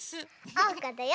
おうかだよ！